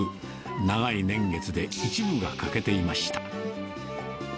長い年月で一部が欠けていました。